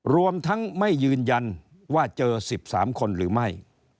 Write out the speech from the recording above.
รวมทั้งไม่ยืนยันว่าเจอ๑๓คนหรือไม่